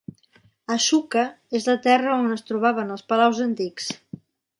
Asuka és la terra on es trobaven els palaus antics.